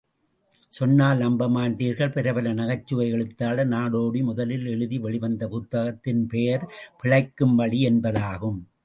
சொன்னால் நம்பமாட்டீர்கள் பிரபல நகைச்சுவை எழுத்தாளர் நாடோடி முதலில் எழுதி வெளிவந்த புத்தகத்தின் பெயர் பிழைக்கும் வழி என்பதாகும்.